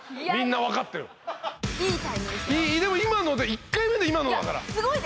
１回目で今のだから。